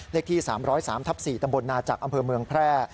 เลขที่๓๐๓ทับ๔ตำบลนาจักรอำเภอเมืองแพร่